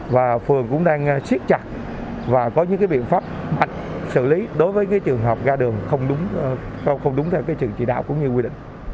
và phường cũng đang siết chặt và có những cái biện pháp mạnh xử lý đối với cái trường hợp ra đường không đúng theo cái trường chỉ đạo cũng như quy định